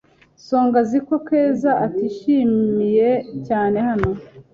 Songa azi ko Keza atishimiye cyane hano.